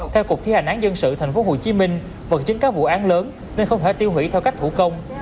theo cục thi hành án dân sự tp hcm vật chứng các vụ án lớn nên không thể tiêu hủy theo cách thủ công